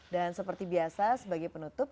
dan seperti biasa sebagai penutup